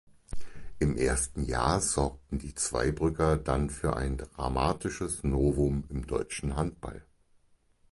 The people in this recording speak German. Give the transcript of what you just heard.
Im ersten Jahr sorgten die Zweibrücker dann für ein dramatisches Novum im deutschen Handball.